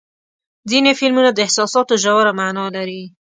ځینې فلمونه د احساساتو ژوره معنا لري.